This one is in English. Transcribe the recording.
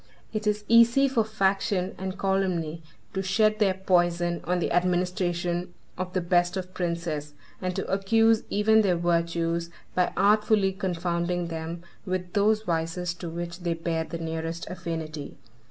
It is easy for faction and calumny to shed their poison on the administration of the best of princes, and to accuse even their virtues by artfully confounding them with those vices to which they bear the nearest affinity.